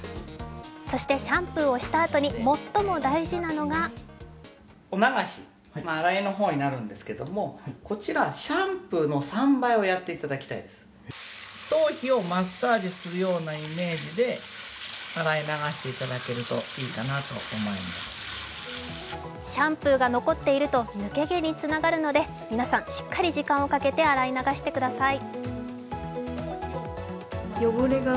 そしてシャンプーをしたあとに最も大事なのがシャンプーが残っていると抜け毛につながるので皆さん、しっかり時間をかけて洗い流してください。